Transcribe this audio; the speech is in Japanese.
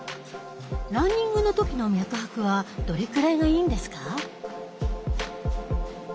ランニングの時の脈拍はどれくらいがいいんですか？